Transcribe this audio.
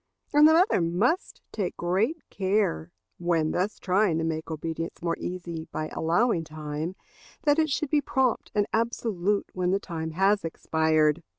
And the mother must take great care, when thus trying to make obedience more easy by allowing time, that it should be prompt and absolute when the time has expired.